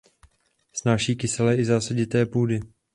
Snáší kyselé i zásadité půdy.